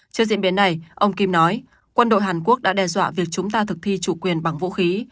trước diễn biến này ông kim nói quân đội hàn quốc đã đe dọa việc chúng ta thực thi chủ quyền bằng vũ khí